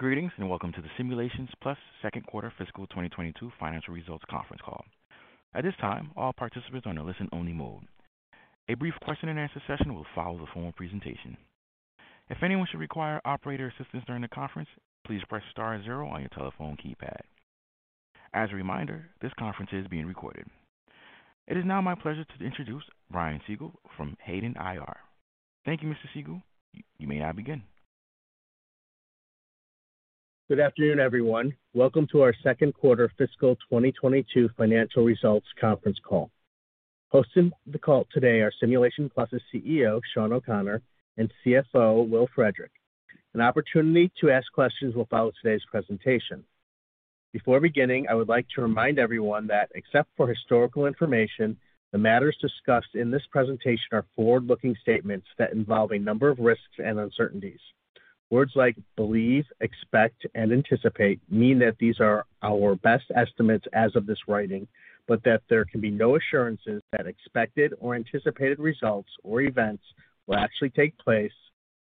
Greetings, and welcome to the Simulations Plus Q2 fiscal 2022 financial results conference call. At this time, all participants are in a listen-only mode. A brief question-and-answer session will follow the formal presentation. If anyone should require operator assistance during the conference, please press star zero on your telephone keypad. As a reminder, this conference is being recorded. It is now my pleasure to introduce Brian Siegel from Hayden IR. Thank you, Mr. Siegel. You may now begin. Good afternoon, everyone. Welcome to our Q2 fiscal 2022 financial results conference call. Hosting the call today are Simulations Plus's CEO, Shawn O'Connor, and CFO, Will Frederick. An opportunity to ask questions will follow today's presentation. Before beginning, I would like to remind everyone that except for historical information, the matters discussed in this presentation are forward-looking statements that involve a number of risks and uncertainties. Words like believe, expect, and anticipate mean that these are our best estimates as of this writing, but that there can be no assurances that expected or anticipated results or events will actually take place,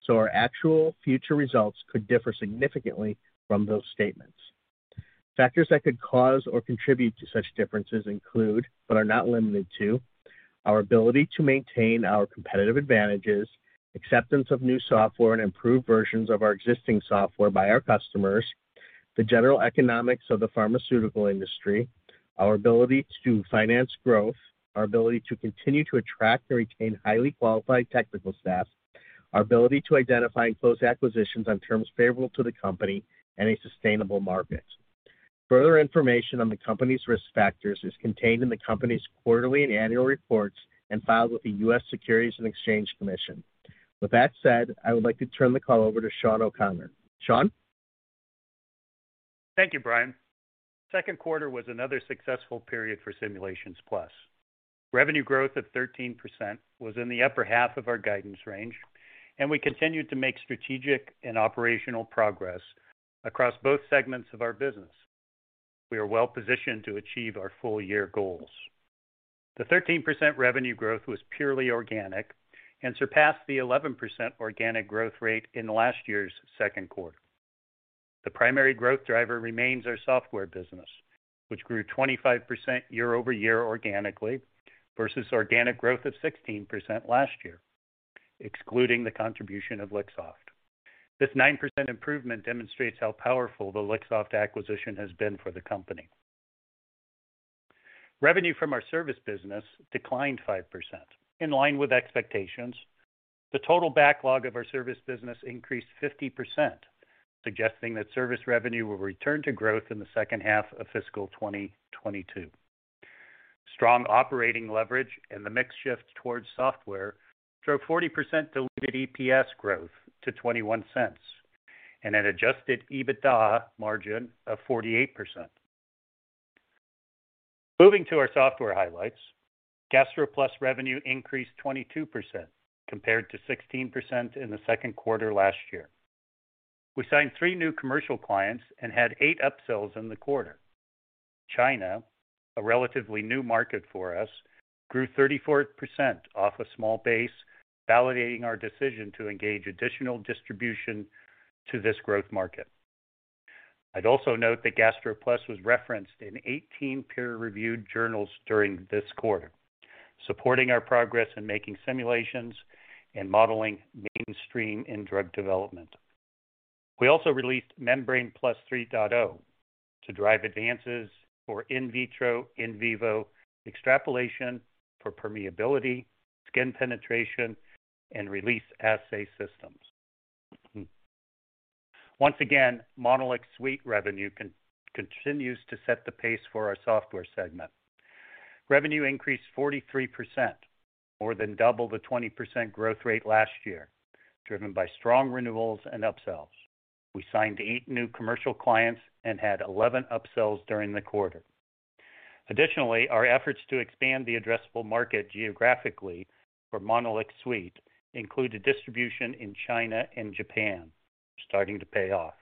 so our actual future results could differ significantly from those statements. Factors that could cause or contribute to such differences include, but are not limited to, our ability to maintain our competitive advantages, acceptance of new software and improved versions of our existing software by our customers, the general economics of the pharmaceutical industry, our ability to finance growth, our ability to continue to attract and retain highly qualified technical staff, our ability to identify and close acquisitions on terms favorable to the company and a sustainable market. Further information on the company's risk factors is contained in the company's quarterly and annual reports and filed with the U.S. Securities and Exchange Commission. With that said, I would like to turn the call over to Shawn O'Connor. Shawn. Thank you, Brian. Q2 was another successful period for Simulations Plus. Revenue growth of 13% was in the upper half of our guidance range, and we continued to make strategic and operational progress across both segments of our business. We are well positioned to achieve our full year goals. The 13% revenue growth was purely organic and surpassed the 11% organic growth rate in last year's Q2. The primary growth driver remains our software business, which grew 25% year-over-year organically versus organic growth of 16% last year, excluding the contribution of Lixoft. This 9% improvement demonstrates how powerful the Lixoft acquisition has been for the company. Revenue from our service business declined 5% in line with expectations. The total backlog of our service business increased 50%, suggesting that service revenue will return to growth in the second half of fiscal 2022. Strong operating leverage and the mix shift towards software drove 40% diluted EPS growth to $0.21 and an adjusted EBITDA margin of 48%. Moving to our software highlights, GastroPlus revenue increased 22% compared to 16% in the Q2 last year. We signed three new commercial clients and had eight upsells in the quarter. China, a relatively new market for us, grew 34% off a small base, validating our decision to engage additional distribution to this growth market. I'd also note that GastroPlus was referenced in 18 peer-reviewed journals during this quarter, supporting our progress in making simulations and modeling mainstream in drug development. We also released MembranePlus 3.0 to drive advances for in vitro, in vivo extrapolation for permeability, skin penetration, and release assay systems. Once again, MonolixSuite revenue continues to set the pace for our software segment. Revenue increased 43%, more than double the 20% growth rate last year, driven by strong renewals and upsells. We signed eight new commercial clients and had 11 upsells during the quarter. Additionally, our efforts to expand the addressable market geographically for MonolixSuite include a distribution in China and Japan starting to pay off.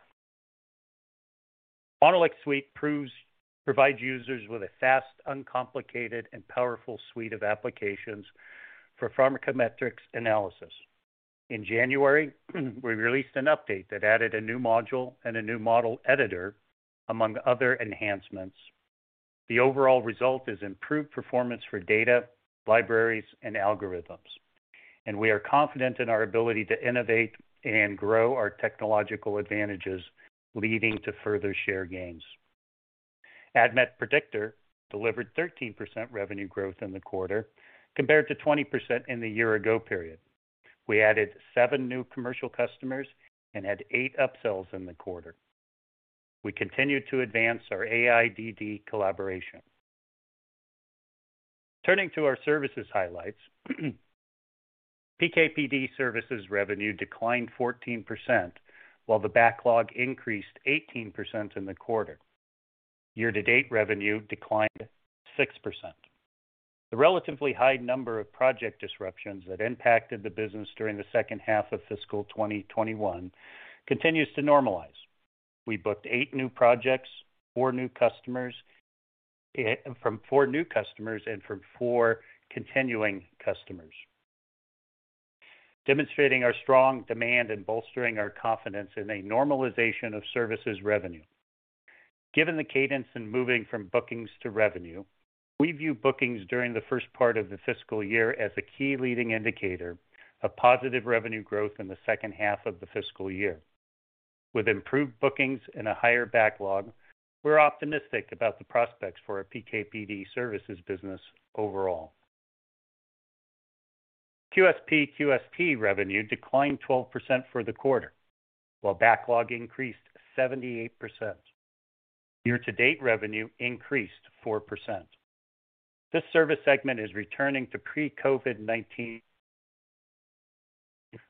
MonolixSuite provides users with a fast, uncomplicated, and powerful suite of applications for pharmacometrics analysis. In January, we released an update that added a new module and a new model editor, among other enhancements. The overall result is improved performance for data, libraries, and algorithms, and we are confident in our ability to innovate and grow our technological advantages, leading to further share gains. ADMET Predictor delivered 13% revenue growth in the quarter compared to 20% in the year ago period. We added seven new commercial customers and had eight upsells in the quarter. We continued to advance our AIDD collaboration. Turning to our services highlights, PK/PD services revenue declined 14%, while the backlog increased 18% in the quarter. Year-to- date revenue declined 6%. The relatively high number of project disruptions that impacted the business during the second half of fiscal 2021 continues to normalize. We booked eight new projects, from four new customers and from four continuing customers, demonstrating our strong demand and bolstering our confidence in a normalization of services revenue. Given the cadence in moving from bookings to revenue, we view bookings during the first part of the fiscal year as a key leading indicator of positive revenue growth in the second half of the fiscal year. With improved bookings and a higher backlog, we're optimistic about the prospects for our PK/PD Services business overall. QSP/QST revenue declined 12% for the quarter, while backlog increased 78%. Year-to- date revenue increased 4%. This service segment is returning to pre-COVID-19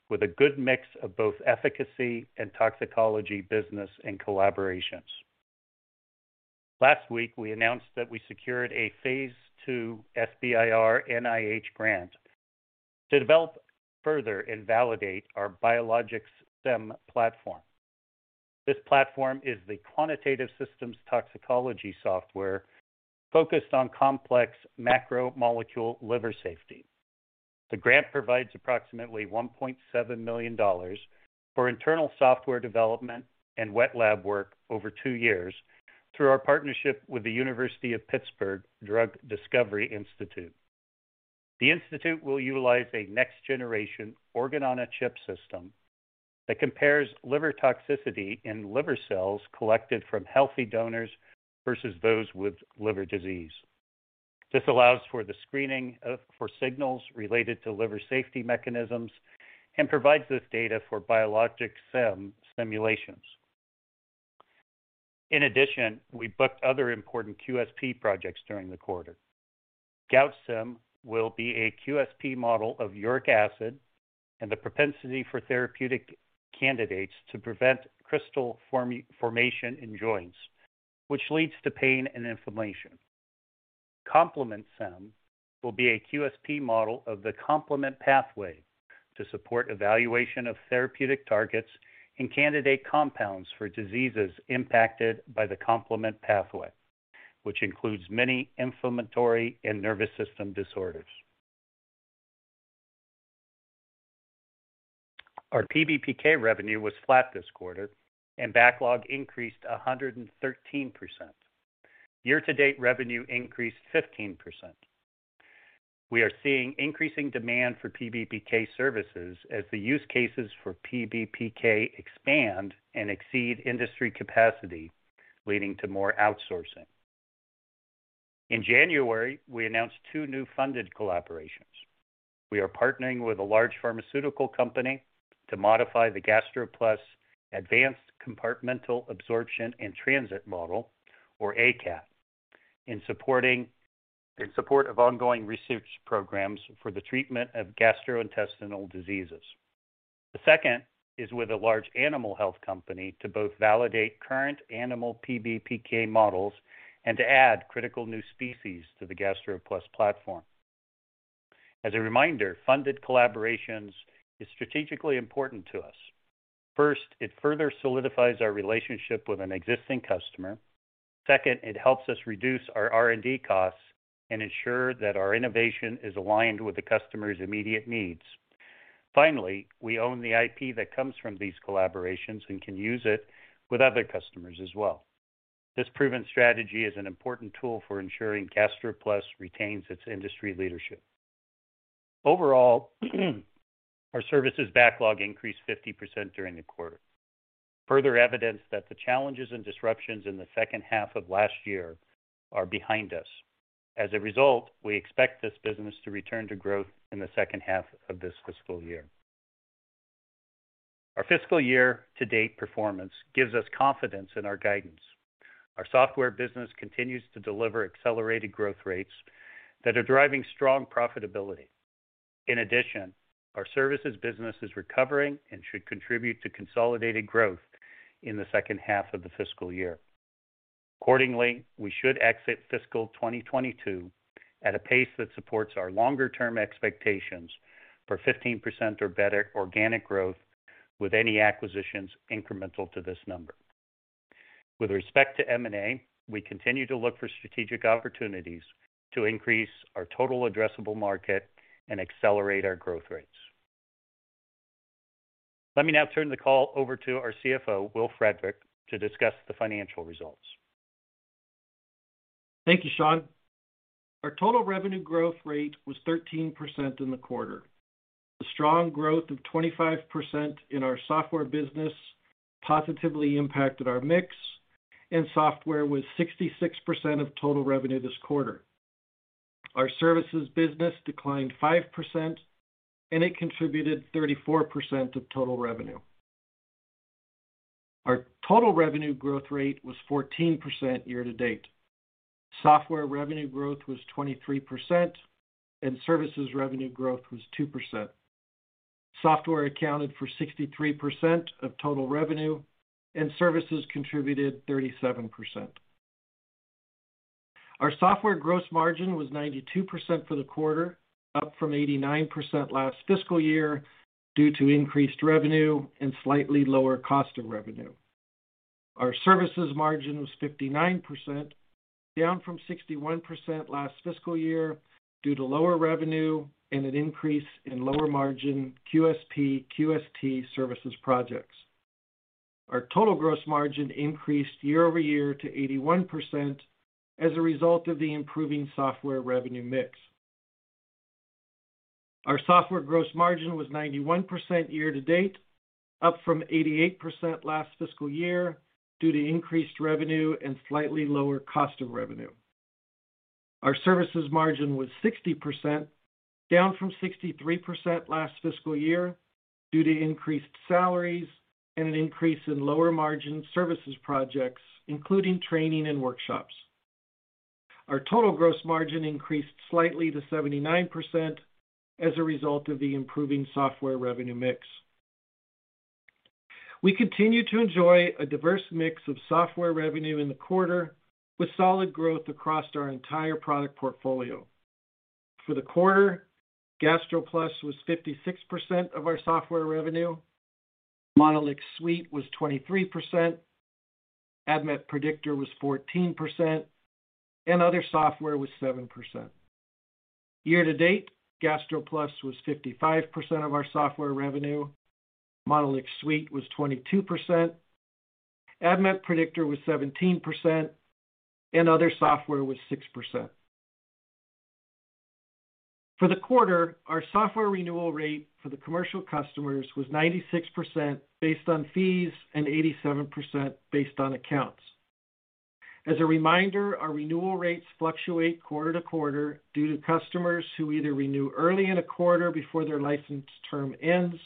with a good mix of both efficacy and toxicology business and collaborations. Last week, we announced that we secured a phase II SBIR NIH grant to develop further and validate our BIOLOGXsym platform. This platform is the quantitative systems toxicology software focused on complex macromolecule liver safety. The grant provides approximately $1.7 million for internal software development and wet lab work over two years through our partnership with the University of Pittsburgh Drug Discovery Institute. The institute will utilize a next generation organ-on-a-chip system that compares liver toxicity in liver cells collected from healthy donors versus those with liver disease. This allows for the screening for signals related to liver safety mechanisms and provides this data for BIOLOGXsym simulations. In addition, we booked other important QSP projects during the quarter. GoutSIM will be a QSP model of uric acid and the propensity for therapeutic candidates to prevent crystal formation in joints, which leads to pain and inflammation. COMPLEMENTsym will be a QSP model of the complement pathway to support evaluation of therapeutic targets and candidate compounds for diseases impacted by the complement pathway, which includes many inflammatory and nervous system disorders. Our PBPK revenue was flat this quarter and backlog increased 113%. Year-to-date revenue increased 15%. We are seeing increasing demand for PBPK services as the use cases for PBPK expand and exceed industry capacity, leading to more outsourcing. In January, we announced two new funded collaborations. We are partnering with a large pharmaceutical company to modify the GastroPlus Advanced Compartmental Absorption and Transit model, or ACAT, in support of ongoing research programs for the treatment of gastrointestinal diseases. The second is with a large animal health company to both validate current animal PBPK models and to add critical new species to the GastroPlus platform. As a reminder, funded collaborations is strategically important to us. First, it further solidifies our relationship with an existing customer. Second, it helps us reduce our R&D costs and ensure that our innovation is aligned with the customer's immediate needs. Finally, we own the IP that comes from these collaborations and can use it with other customers as well. This proven strategy is an important tool for ensuring GastroPlus retains its industry leadership. Overall, our services backlog increased 50% during the quarter, further evidence that the challenges and disruptions in the second half of last year are behind us. As a result, we expect this business to return to growth in the second half of this fiscal year. Our fiscal year-to- date performance gives us confidence in our guidance. Our software business continues to deliver accelerated growth rates that are driving strong profitability. In addition, our services business is recovering and should contribute to consolidated growth in the second half of the fiscal year. Accordingly, we should exit fiscal 2022 at a pace that supports our longer term expectations for 15% or better organic growth with any acquisitions incremental to this number. With respect to M&A, we continue to look for strategic opportunities to increase our total addressable market and accelerate our growth rates. Let me now turn the call over to our CFO, Will Frederick, to discuss the financial results. Thank you, Shawn. Our total revenue growth rate was 13% in the quarter. The strong growth of 25% in our software business positively impacted our mix and software was 66% of total revenue this quarter. Our services business declined 5% and it contributed 34% of total revenue. Our total revenue growth rate was 14% year-to- date. Software revenue growth was 23% and services revenue growth was 2%. Software accounted for 63% of total revenue and services contributed 37%. Our software gross margin was 92% for the quarter, up from 89% last fiscal year due to increased revenue and slightly lower cost of revenue. Our services margin was 59%, down from 61% last fiscal year due to lower revenue and an increase in lower margin QSP, QST services projects. Our total gross margin increased year over year to 81% as a result of the improving software revenue mix. Our software gross margin was 91% year-to- date, up from 88% last fiscal year due to increased revenue and slightly lower cost of revenue. Our services margin was 60%, down from 63% last fiscal year due to increased salaries and an increase in lower margin services projects, including training and workshops. Our total gross margin increased slightly to 79% as a result of the improving software revenue mix. We continue to enjoy a diverse mix of software revenue in the quarter with solid growth across our entire product portfolio. For the quarter, GastroPlus was 56% of our software revenue, MonolixSuite was 23%, ADMET Predictor was 14%, and other software was 7%. Year-to-date, GastroPlus was 55% of our software revenue, MonolixSuite was 22%, ADMET Predictor was 17%, and other software was 6%. For the quarter, our software renewal rate for the commercial customers was 96% based on fees and 87% based on accounts. As a reminder, our renewal rates fluctuate quarter to quarter due to customers who either renew early in a quarter before their license term ends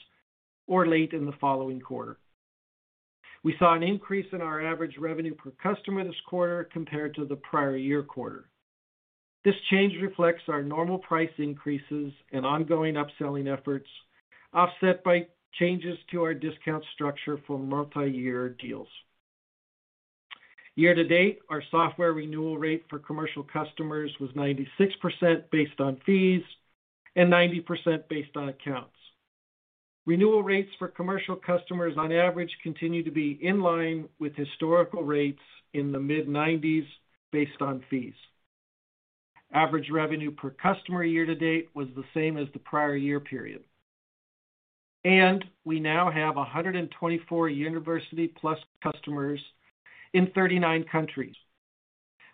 or late in the following quarter. We saw an increase in our average revenue per customer this quarter compared to the prior year quarter. This change reflects our normal price increases and ongoing upselling efforts, offset by changes to our discount structure for multi-year deals. Year-to-date, our software renewal rate for commercial customers was 96% based on fees and 90% based on accounts. Renewal rates for commercial customers on average continue to be in line with historical rates in the mid-nineties based on fees. Average revenue per customer year-to-date was the same as the prior year period. We now have 124 University Plus customers in 39 countries.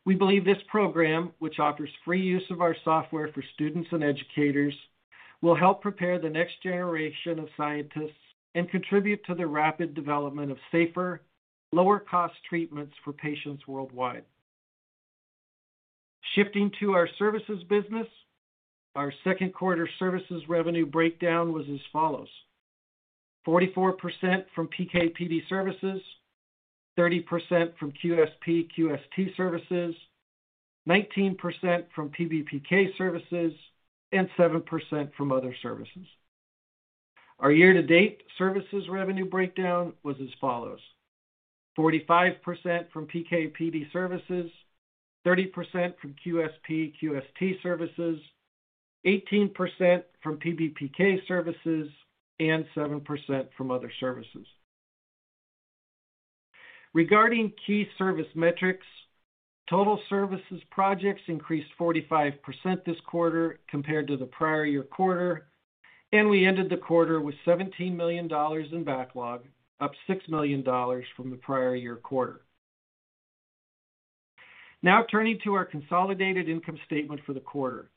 We believe this program, which offers free use of our software for students and educators, will help prepare the next generation of scientists and contribute to the rapid development of safer, lower cost treatments for patients worldwide. Shifting to our services business, our Q2 services revenue breakdown was as follows, 44% from PK/PD services, 30% from QSP/QST services, 19% from PBPK services, and 7% from other services. Our year-to-date services revenue breakdown was as follows: 45% from PK/PD services, 30% from QSP/QST services, 18% from PBPK services, and 7% from other services. Regarding key service metrics, total services projects increased 45% this quarter compared to the prior year quarter, and we ended the quarter with $17 million in backlog, up $6 million from the prior year quarter. Now turning to our consolidated income statement for the quarter.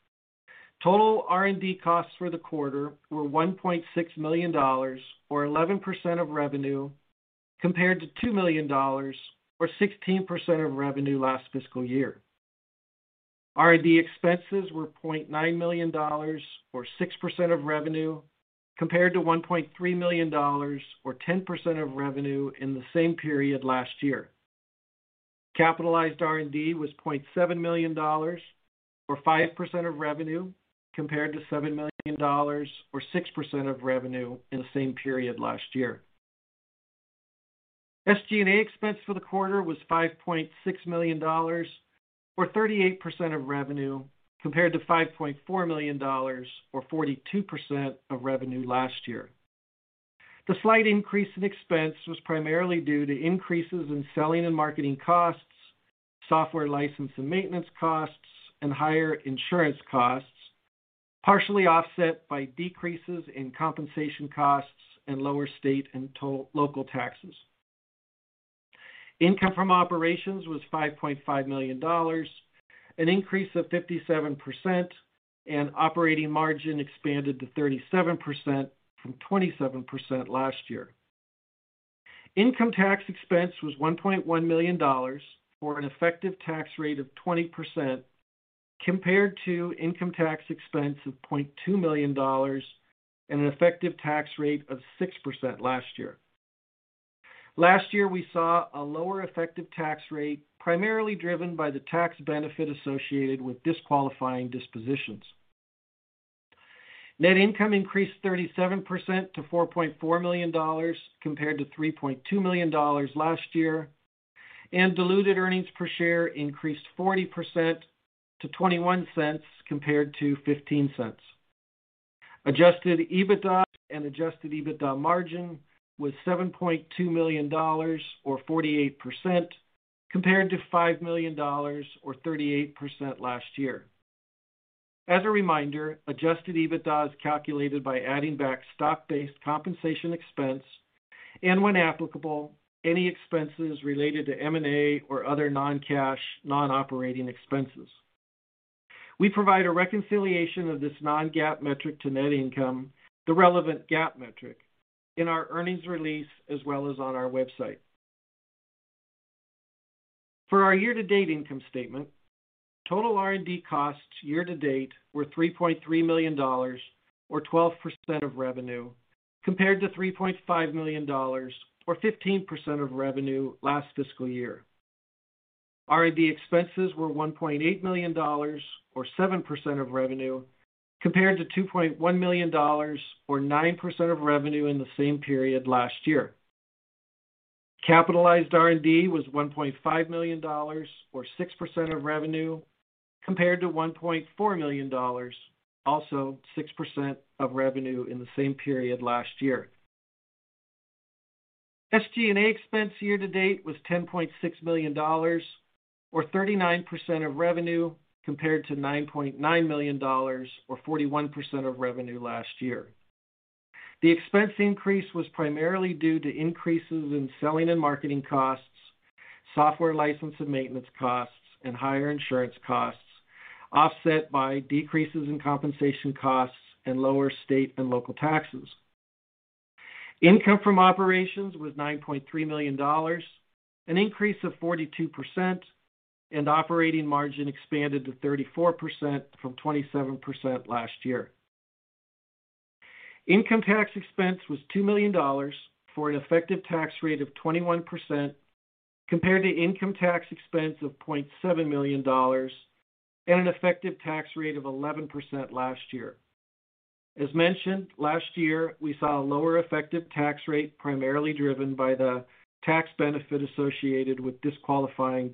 Total R&D costs for the quarter were $1.6 million or 11% of revenue, compared to $2 million or 16% of revenue last fiscal year. R&D expenses were $0.9 million or 6% of revenue, compared to $1.3 million or 10% of revenue in the same period last year. Capitalized R&D was $0.7 million or 5% of revenue, compared to $7 million or 6% of revenue in the same period last year. SG&A expense for the quarter was $5.6 million, or 38% of revenue, compared to $5.4 million or 42% of revenue last year. The slight increase in expense was primarily due to increases in selling and marketing costs, software license and maintenance costs, and higher insurance costs, partially offset by decreases in compensation costs and lower state and local taxes. Income from operations was $5.5 million, an increase of 57%, and operating margin expanded to 37% from 27% last year. Income tax expense was $1.1 million, or an effective tax rate of 20%, compared to income tax expense of $0.2 million and an effective tax rate of 6% last year. Last year, we saw a lower effective tax rate, primarily driven by the tax benefit associated with disqualifying dispositions. Net income increased 37% to $4.4 million compared to $3.2 million last year, and diluted earnings per share increased 40% to $0.21 compared to $0.15. Adjusted EBITDA and adjusted EBITDA margin was $7.2 million, or 48%, compared to $5 million, or 38% last year. As a reminder, adjusted EBITDA is calculated by adding back stock-based compensation expense and when applicable, any expenses related to M&A or other non-cash non-operating expenses. We provide a reconciliation of this non-GAAP metric to net income, the relevant GAAP metric, in our earnings release as well as on our website. For our year-to-date income statement, total R&D costs year-to-date were $3.3 million or 12% of revenue, compared to $3.5 million or 15% of revenue last fiscal year. R&D expenses were $1.8 million or 7% of revenue, compared to $2.1 million or 9% of revenue in the same period last year. Capitalized R&D was $1.5 million or 6% of revenue, compared to $1.4 million, also 6% of revenue in the same period last year. SG&A expense year-to-date was $10.6 million or 39% of revenue, compared to $9.9 million or 41% of revenue last year. The expense increase was primarily due to increases in selling and marketing costs, software license and maintenance costs, and higher insurance costs, offset by decreases in compensation costs and lower state and local taxes. Income from operations was $9.3 million, an increase of 42%, and operating margin expanded to 34% from 27% last year. Income tax expense was $2 million for an effective tax rate of 21% compared to income tax expense of $0.7 million and an effective tax rate of 11% last year. As mentioned, last year, we saw a lower effective tax rate primarily driven by the tax benefit associated with disqualifying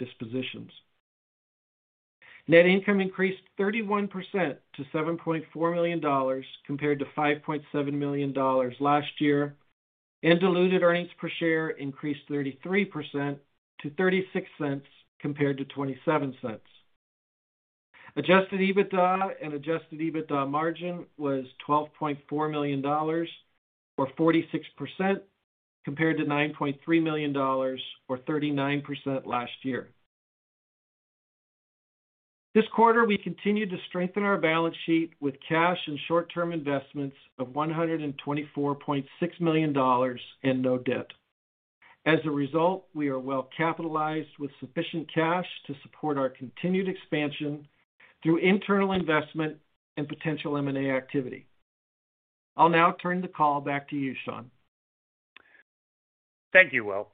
dispositions. Net income increased 31% to $7.4 million compared to $5.7 million last year, and diluted earnings per share increased 33% to $0.36 compared to $0.27. Adjusted EBITDA and adjusted EBITDA margin was $12.4 million, or 46%, compared to $9.3 million, or 39% last year. This quarter, we continued to strengthen our balance sheet with cash and short-term investments of $124.6 million and no debt. As a result, we are well capitalized with sufficient cash to support our continued expansion through internal investment and potential M&A activity. I'll now turn the call back to you, Shawn. Thank you, Will.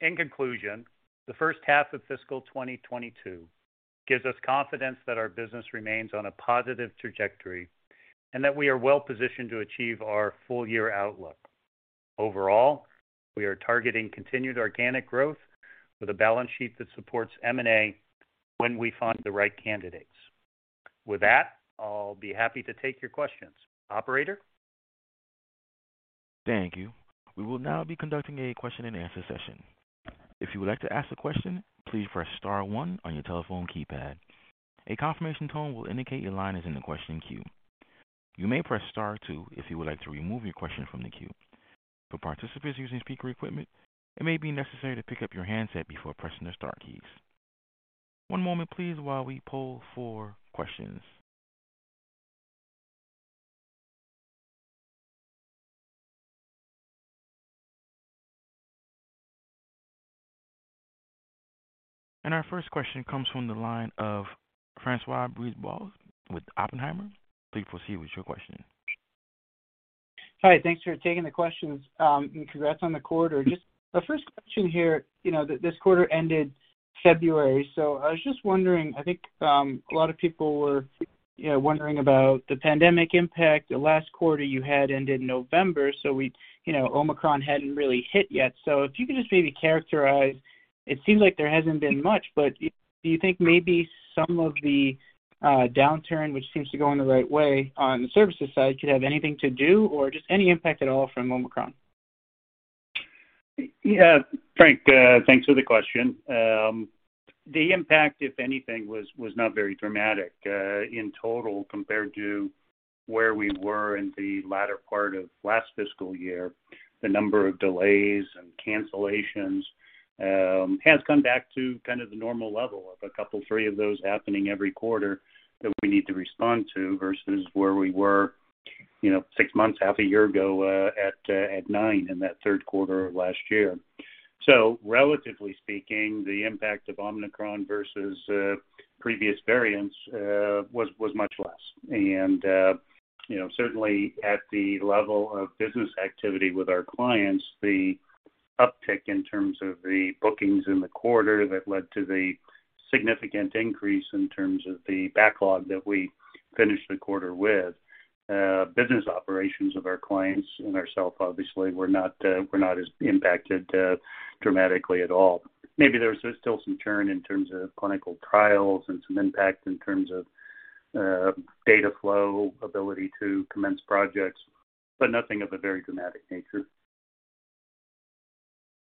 In conclusion, the first half of fiscal 2022 gives us confidence that our business remains on a positive trajectory and that we are well positioned to achieve our full year outlook. Overall, we are targeting continued organic growth with a balance sheet that supports M&A when we find the right candidates. With that, I'll be happy to take your questions. Operator? Thank you. We will now be conducting a question and answer session. If you would like to ask a question, please press star one on your telephone keypad. A confirmation tone will indicate your line is in the question queue. You may press star two if you would like to remove your question from the queue. For participants using speaker equipment, it may be necessary to pick up your handset before pressing the star keys. One moment please while we poll for questions. Our first question comes from the line of Francois Brisebois with Oppenheimer. Please proceed with your question. Hi, thanks for taking the questions, and congrats on the quarter. Just the first question here, you know, this quarter ended February. I was just wondering, I think, a lot of people were, you know, wondering about the pandemic impact. The last quarter you had ended November, so, you know, Omicron hadn't really hit yet. If you could just maybe characterize, it seems like there hasn't been much, but do you think maybe some of the downturn which seems to go in the right way on the services side could have anything to do or just any impact at all from Omicron? Yeah. Francois, thanks for the question. The impact, if anything, was not very dramatic in total compared to where we were in the latter part of last fiscal year. The number of delays and cancellations has come back to kind of the normal level of a couple, three of those happening every quarter that we need to respond to versus where we were, you know, six months, half a year ago, at nine in that Q3 of last year. Relatively speaking, the impact of Omicron versus previous variants was much less. You know, certainly at the level of business activity with our clients, the uptick in terms of the bookings in the quarter that led to the significant increase in terms of the backlog that we finished the quarter with, business operations of our clients and ourselves obviously were not as impacted dramatically at all. Maybe there's still some churn in terms of clinical trials and some impact in terms of data flow ability to commence projects, but nothing of a very dramatic nature.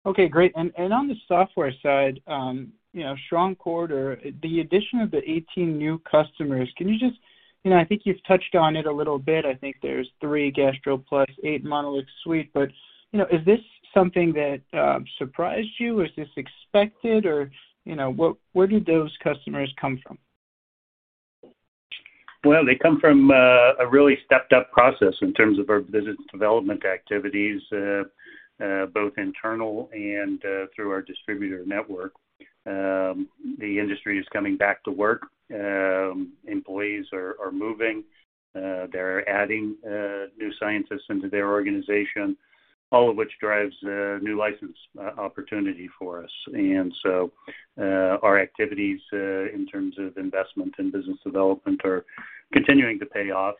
Okay, great. On the software side, you know, strong quarter, the addition of the 18 new customers, can you just. You know, I think you've touched on it a little bit. I think there's three GastroPlus, eight MonolixSuite. You know, is this something that surprised you? Was this expected or, you know, where did those customers come from? Well, they come from a really stepped-up process in terms of our business development activities, both internal and through our distributor network. The industry is coming back to work. Employees are moving. They're adding new scientists into their organization, all of which drives new license opportunity for us. Our activities in terms of investment and business development are continuing to pay off,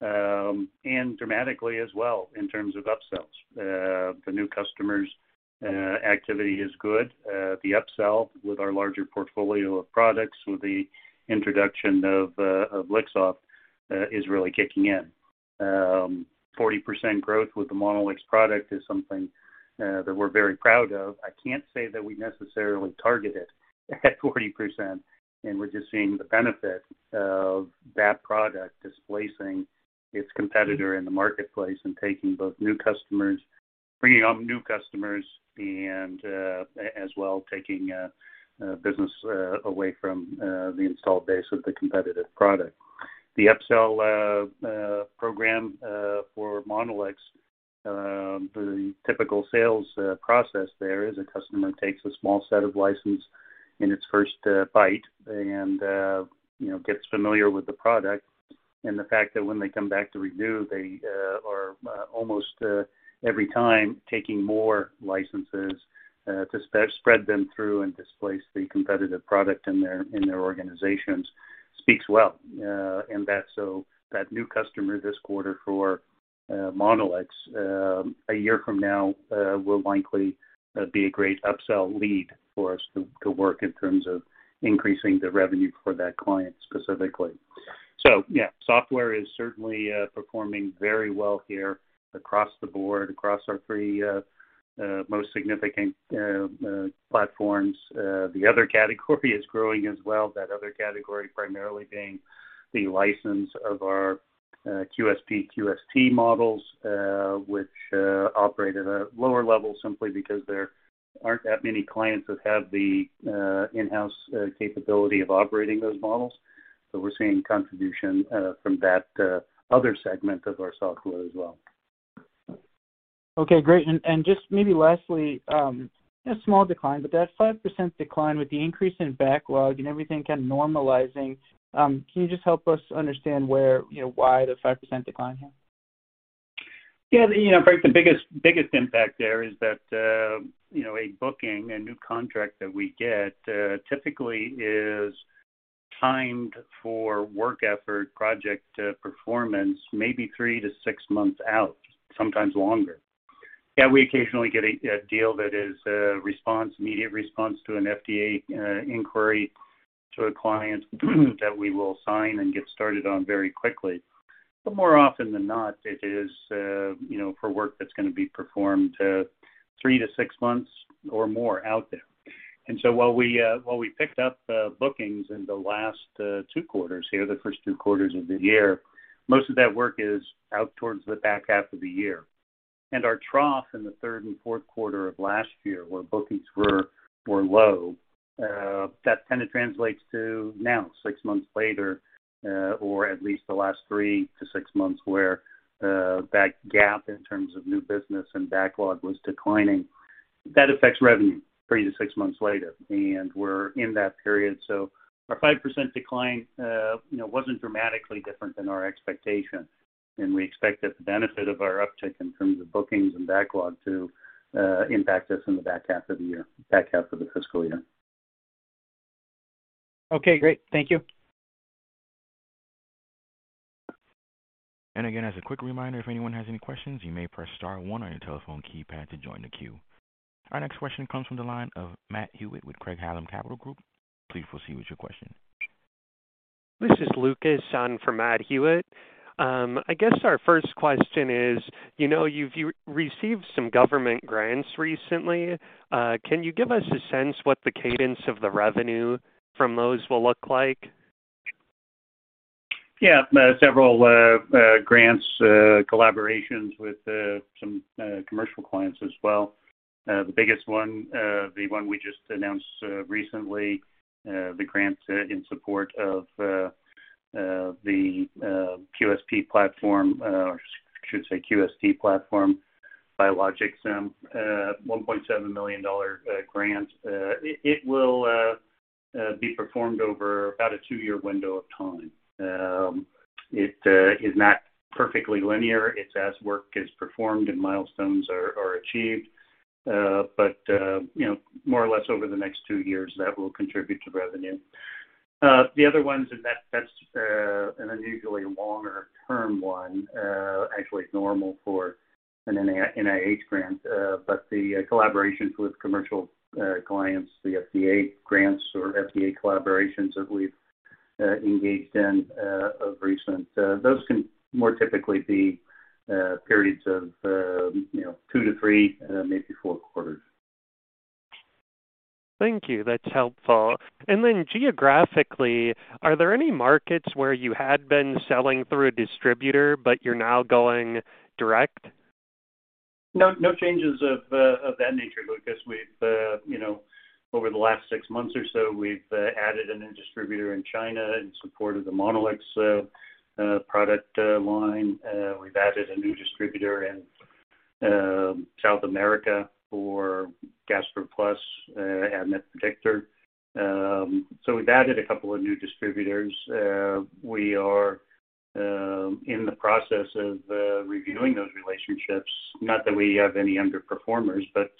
and dramatically as well in terms of upsells. The new customers activity is good. The upsell with our larger portfolio of products with the introduction of Lixoft is really kicking in. 40% growth with the Monolix product is something that we're very proud of. I can't say that we necessarily targeted at 40%, and we're just seeing the benefit of that product displacing its competitor in the marketplace and taking both new customers, bringing on new customers and as well taking business away from the installed base of the competitive product. The upsell program for Monolix, the typical sales process there is a customer takes a small set of license in its first bite and you know gets familiar with the product. The fact that when they come back to renew, they are almost every time taking more licenses to spread them through and displace the competitive product in their organizations speaks well. That's the new customer this quarter for Monolix, a year from now, will likely be a great upsell lead for us to work in terms of increasing the revenue for that client specifically. Yeah, software is certainly performing very well here across the board, across our three most significant platforms. The other category is growing as well. That other category, primarily being the license of our QSP, QST models, which operate at a lower level simply because there aren't that many clients that have the in-house capability of operating those models. We're seeing contribution from that other segment of our software as well. Okay, great. Just maybe lastly, a small decline, but that 5% decline with the increase in backlog and everything kind of normalizing, can you just help us understand where, you know, why the 5% decline here? Yeah, you know, Brent, the biggest impact there is that, you know, a booking, a new contract that we get, typically is timed for work effort, project, performance, maybe 3-6 months out, sometimes longer. Yeah, we occasionally get a deal that is a response, immediate response to an FDA inquiry to a client that we will sign and get started on very quickly. But more often than not, it is, you know, for work that's gonna be performed, three-six months or more out there. While we picked up bookings in the last 2 quarters here, the first 2 quarters of the year, most of that work is out towards the back half of the year. Our trough in the third and Q4 of last year, where bookings were low, that kind of translates to now six months later, or at least the last three to six months, where that gap in terms of new business and backlog was declining. That affects revenue three to six months later, and we're in that period. Our 5% decline, you know, wasn't dramatically different than our expectation, and we expect that the benefit of our uptick in terms of bookings and backlog to impact us in the back half of the year, back half of the fiscal year. Okay, great. Thank you. Again, as a quick reminder, if anyone has any questions, you may press star one on your telephone keypad to join the queue. Our next question comes from the line of Matt Hewett with Craig-Hallum Capital Group. Please proceed with your question. This is Lucas in for Matt Hewett. I guess our first question is, you know, you've received some government grants recently. Can you give us a sense what the cadence of the revenue from those will look like? Yeah. Several grants, collaborations with some commercial clients as well. The biggest one, the one we just announced recently, the grant in support of the QSP platform, or I should say QST platform biologics, $1.7 million grant. It will be performed over about a two-year window of time. It is not perfectly linear. It's as work is performed and milestones are achieved. You know, more or less over the next two years, that will contribute to revenue. The other ones, that's an unusually longer term one, actually it's normal for an NIH grant. The collaborations with commercial clients, the FDA grants or FDA collaborations that we've engaged in recently. Those can more typically be periods of, you know, two-three, maybe four quarters. Thank you. That's helpful. Geographically, are there any markets where you had been selling through a distributor but you're now going direct? No changes of that nature, Lucas. We've you know over the last six months or so we've added a new distributor in China in support of the Monolix product line. We've added a new distributor in South America for GastroPlus and ADMET Predictor. We've added a couple of new distributors. We are in the process of reviewing those relationships. Not that we have any underperformers, but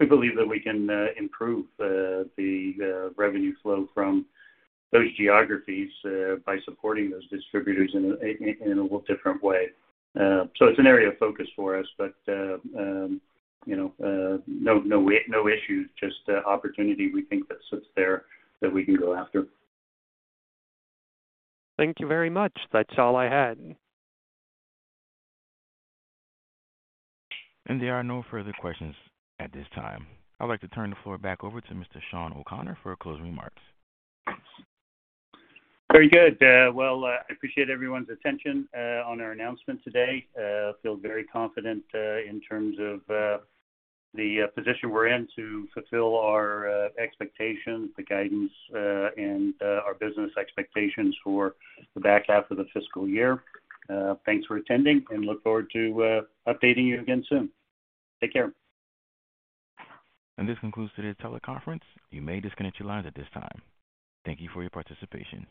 we believe that we can improve the revenue flow from those geographies by supporting those distributors in a little different way. It's an area of focus for us, but you know no issues, just opportunity we think that sits there that we can go after. Thank you very much. That's all I had. There are no further questions at this time. I'd like to turn the floor back over to Mr. Shawn O'Connor for closing remarks. Very good. Well, I appreciate everyone's attention on our announcement today. I feel very confident in terms of the position we're in to fulfill our expectations, the guidance, and our business expectations for the back half of the fiscal year. Thanks for attending, and look forward to updating you again soon. Take care. This concludes today's teleconference. You may disconnect your lines at this time. Thank you for your participation.